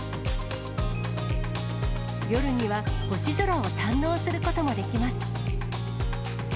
夜には、星空を堪能することもできます。